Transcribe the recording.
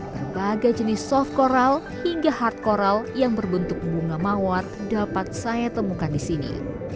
berbagai jenis soft coral hingga hard coral yang berbentuk bunga mawar dapat saya temukan di sini